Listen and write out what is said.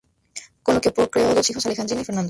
Con la que procreó dos hijos, Alejandrina y Fernando.